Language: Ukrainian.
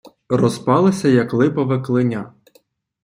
Розпалися, як липове клиня.